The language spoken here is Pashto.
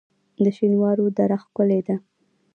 د شینوارو دره ښکلې ده